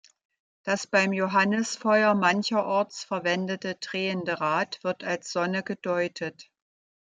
Das beim Johannisfeuer mancherorts verwendete drehende Rad wird als Sonne gedeutet.